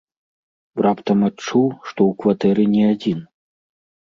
Раптам адчуў, што ў кватэры не адзін.